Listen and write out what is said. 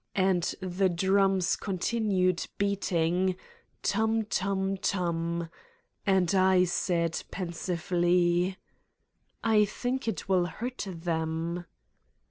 And the drums continued beating : tump tump tump. And I said pensively: "I think it will hurt them."